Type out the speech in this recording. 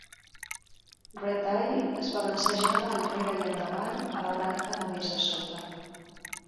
Red-Eye es balancejava enrere i endavant a la branca de més a sota.